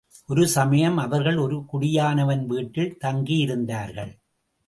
ஒரு சமயம் அவர்கள் ஒரு குடியானவன் வீட்டில் தங்கியிருந்தார்கள்.